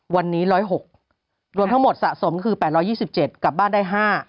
วันนี้๑๐๖รวมทั้งหมดสะสมคือ๘๒๗กลับบ้านได้๕